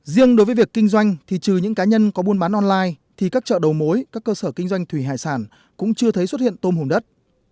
riêng đối với việc kinh doanh thì trừ những cá nhân có buôn bán online thì các chợ đầu mối các cơ sở kinh doanh thủy hải sản cũng chưa thấy xuất hiện tôm hùm đất